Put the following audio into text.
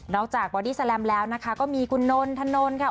นอกจากบอดี้แซลมแล้วนะคะก็มีคุณน้นถนนค่ะ